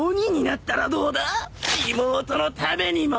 妹のためにも！